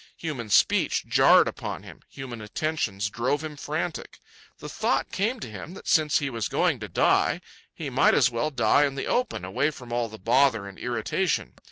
Human speech jarred upon him. Human attentions drove him frantic. The thought came to him that since he was going to die, he might as well die in the open, away from all the bother and irritation.